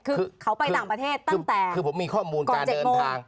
คือเขาไปต่างประเทศตั้งแต่คือผมมีข้อมูลการเดินทาง